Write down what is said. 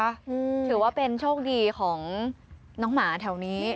ถือว่าเป็นโชคดีของน้องหมาแถวนี้